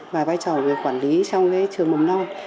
và vai trò của người quản lý trong cái trường mầm non